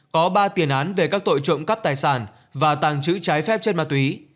có ba tiền án về các tội trộm cắp tài sản và tàng trữ trái phép chất ma túy